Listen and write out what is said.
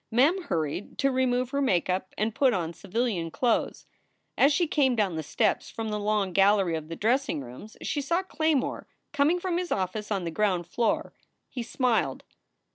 Mem hurried to remove her make up and put on civilian clothes. As she came down the steps from the long gallery of dressing rooms she saw Claymore coming from his office on the ground floor. He smiled.